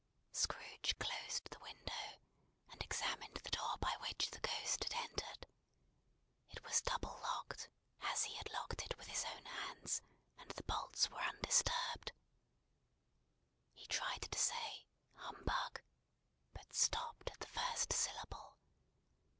Scrooge closed the window, and examined the door by which the Ghost had entered. It was double locked, as he had locked it with his own hands, and the bolts were undisturbed. He tried to say "Humbug!" but stopped at the first syllable.